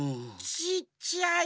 ちっちゃい。